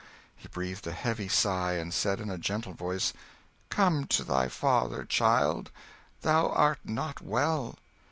He breathed a heavy sigh, and said in a gentle voice, "Come to thy father, child: thou art not well."